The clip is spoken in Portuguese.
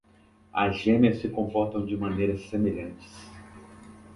As gêmeas se comportam de maneira semelhante